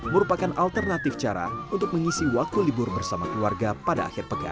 merupakan alternatif cara untuk mengisi waktu libur bersama keluarga pada akhir pekan